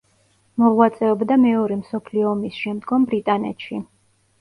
მოღვაწეობდა მეორე მსოფლიო ომის შემდგომ ბრიტანეთში.